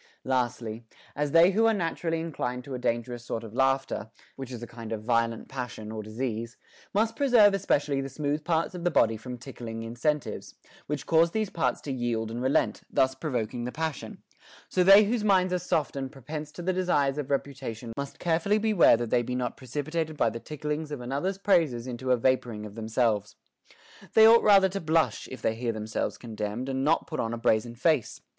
21. Lastly, as they who are naturally inclined to a dan gerous sort of laughter, — which is a kind of violent pas sion or disease, — must preserve especially the smooth parts of the body from tickling incentives, which cause these parts to yield and relent, thus provoking the pas sion ; so they whose minds are soft and propense to the desires of reputation must carefully beware that they be 324 HOW A MAN MAY PRAISE HIMSELF not precipitated by the ticklings of another's praises into a vaporing of themselves. They ought rather to blush, if they hear themselves commended, and not put on a brazen face.